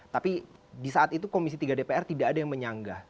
tapi di saat itu komisi tiga dpr tidak ada yang menyanggah